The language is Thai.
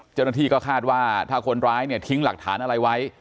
เจ้าหน้าที่ก็คาดว่าถ้าคนร้ายเนี่ยทิ้งหลักฐานอะไรไว้